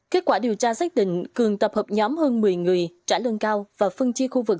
kết quả điều tra xác định cường tập hợp nhóm hơn một mươi người trả lương cao và phân chia khu vực